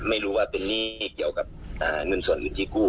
ไม่รู้ว่าเป็นหนี้เกี่ยวกับเงินส่วนเงินที่กู้